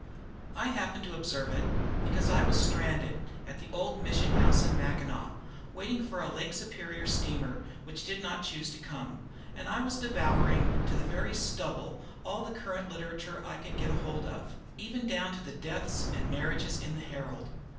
I happened to observe it, because I was stranded at the old Mission House in Mackinaw, waiting for a Lake Superior steamer which did not choose to come, and I was devouring to the very stubble all the current literature I could get hold of, even down to the deaths and marriages in the "Herald."